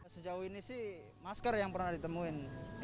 sejauh ini sih masker yang pernah ditemuin